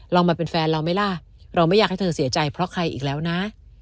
เรามาเป็นแฟนเราไหมล่ะเราไม่อยากให้เธอเสียใจเพราะใครอีกแล้วนะ